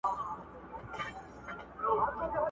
ماته وایي چې سفر دې پخیر سو